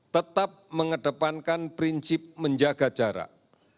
tetap mengedepankan prinsip menjaga jarak